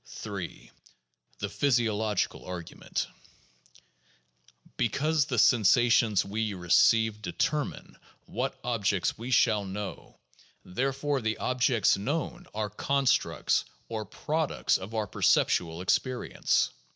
PSYCHOLOGY AND SCIENTIFIC METHODS 397 3. The Physiological Argument: Because the sensations we re ceive determine what objects we shall know, therefore the objects known are constructs or products of our perceptual experience.